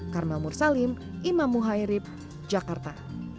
karma mursalim imam muhaerib jakarta